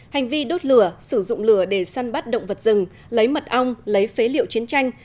hành vi đốt lửa sử dụng lửa để săn bắt động vật rừng lấy mật ong lấy phế liệu chiến tranh